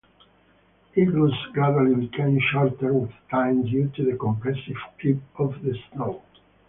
Igloos gradually become shorter with time due to the compressive creep of the snow.